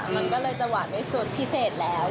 มันก็เลยจะหวานด้วยสูตรพิเศษแล้ว